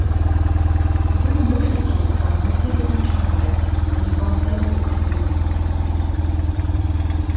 Вы можаце там і пераначаваць, калі вам далёка ехаць.